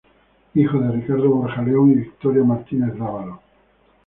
Hija de Ricardo Borja León y Victoria Martínez Dávalos.